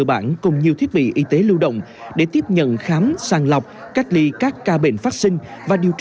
bản cùng nhiều thiết bị y tế lưu động để tiếp nhận khám sàng lọc cách ly các ca bệnh phát sinh và điều